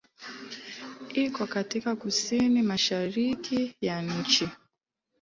Iko katika kusini-mashariki ya nchi.